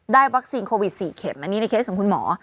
วัคซีนโควิด๔เข็มอันนี้ในเคสของคุณหมอ